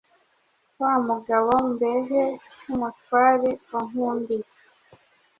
Wa mugabo Mbehe w’umutware wa Nkundiye,